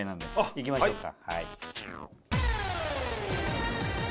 行きましょうか。